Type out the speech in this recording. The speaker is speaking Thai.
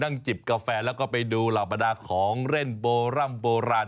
นั่งจิบกาแฟแล้วก็ไปดูหลักบรรดาของเล่นบันไดโบราณ